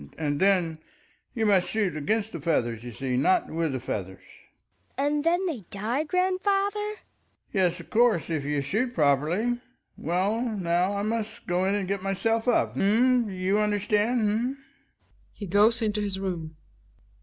And then you must shoot against the feathers, you see, not with the [feathers. Hedvig. And then they die, grandfather? Ekdal. Yes, of course, if you shoot properly . Well, now I must go in and get myself up. H'm — you understand — h'm. {He goes into his room.)